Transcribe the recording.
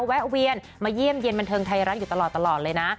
แวะเวียนมาเยี่ยมเย็นบันเทิงไทยรัฐอยู่ตลอดเลยนะ